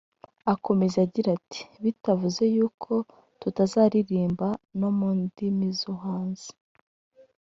Akomeza agira ati “ Bitavuze yuko tutazaririmba no mu ndimi zo hanze